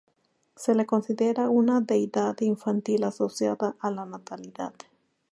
Se le considera una deidad infantil, asociada a la natalidad.